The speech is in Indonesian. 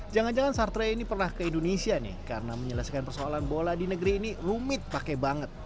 jangan jangan satria ini pernah ke indonesia nih karena menyelesaikan persoalan bola di negeri ini rumit pakai banget